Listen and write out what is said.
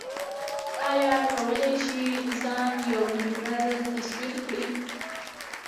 ايا کولای شئ ځان يو ميليونر تصور کړئ؟